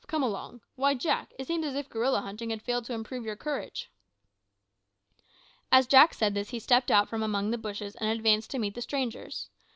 come along. Why, Mak, it seems as if gorilla hunting had failed to improve your courage." As Jack said this he stepped out from among the bushes and advanced to meet the strangers.